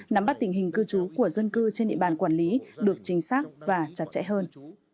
nắm bắt tình hình cư trú của dân cư trên địa bàn quản lý được chính xác và chặt chẽ hơn